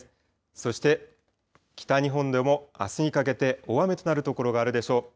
そして、北日本でもあすにかけて大雨となる所があるでしょう。